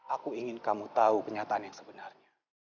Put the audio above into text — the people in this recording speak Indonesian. aku ingin kamu tahu kenyataan yang sebenarnya